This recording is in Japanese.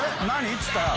っつったら。